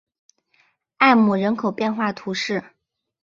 埃姆人口变化图示